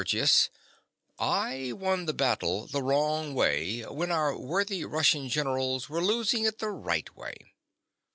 SERGIUS. I won the battle the wrong way when our worthy Russian generals were losing it the right way.